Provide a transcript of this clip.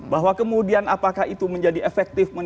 bahwa kemudian apakah itu menjadi efektif